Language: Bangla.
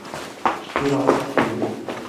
তুই বাচ্চা ছিলি।